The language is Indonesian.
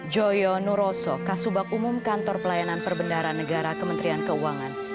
joyo nuroso kasubag umum kantor pelayanan perbendaran negara kementerian keuangan